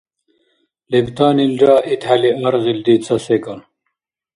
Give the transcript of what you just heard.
Лебтанилра итхӏели аргъилри ца секӏал